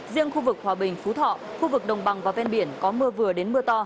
riêng khu vực hòa bình phú thọ khu vực đồng bằng và ven biển có mưa vừa đến mưa to